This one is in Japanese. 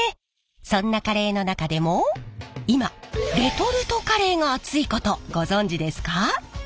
そんなカレーの中でも今レトルトカレーが熱いことご存じですか？